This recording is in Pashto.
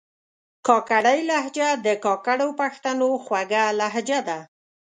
کاکړۍ لهجه د کاکړو پښتنو خوږه لهجه ده